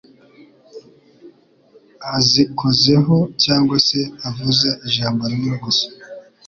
azikozeho cyangwa se avuze ijambo rimwe gusa,